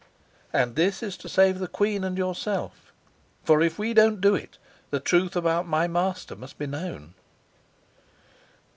"And this is to save the queen and yourself. For if we don't do it, the truth about my master must be known."